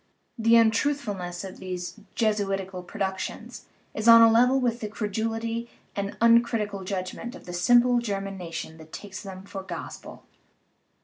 The untruthfulness of these Jesu itical productions is on a level with the credulity and the uncritical judgment of the simple German nation that takes them for gospel.